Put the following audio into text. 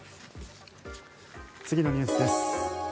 次のニュースです。